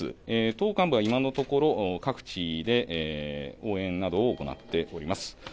党幹部は、今のところ各地で応援などを行っております。